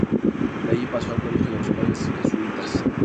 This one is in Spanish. De allí pasó al colegio de los padres jesuítas.